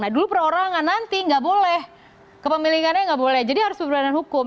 nah dulu perorangan nanti nggak boleh kepemilikannya nggak boleh jadi harus keberanan hukum